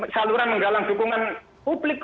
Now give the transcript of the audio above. saluran menggalang dukungan publik